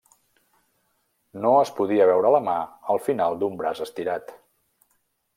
No es podia veure la mà al final d'un braç estirat.